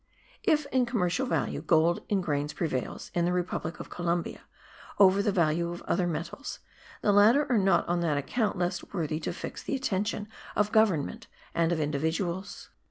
If, in commercial value, gold in grains prevails, in the republic of Columbia, over the value of other metals, the latter are not on that account less worthy to fix the attention of government and of individuals.